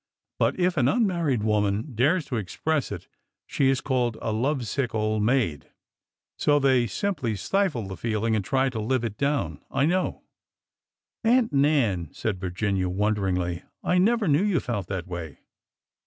But if an unmarried wo man dares to express it she is called a love sick old maid ! So they simply stifle the feeling and try to live it down. / know !" Aunt Nan," said Virginia, wonderingly, I never knew you felt that way."